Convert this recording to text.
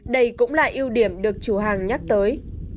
đây cũng là ưu điểm được chủ hàng nhắc tới